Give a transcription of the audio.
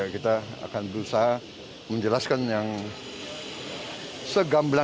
kita akan berusaha menjelaskan yang segamblas